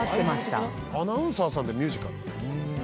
アナウンサーさんでミュージカル？